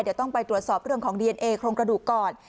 เดี๋ยวต้องไปตรวจสอบเรื่องของดีเอนเอโครงกระดูกก่อน